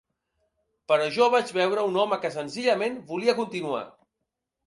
Però jo vaig veure un home que senzillament volia continuar.